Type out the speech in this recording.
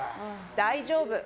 大丈夫。